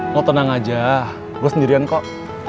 mau tenang aja gue sendirian kok